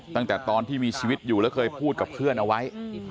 ตั้งแต่ตอนที่มีชีวิตอยู่แล้วเคยพูดกับเพื่อนเอาไว้